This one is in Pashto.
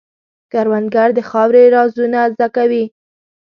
کروندګر د خاورې رازونه زده کوي